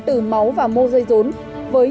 từ máu và mô dây rốn với